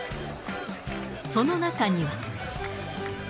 その中には。